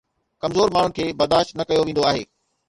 ڪمزور ماڻهن کي برداشت نه ڪيو ويندو آهي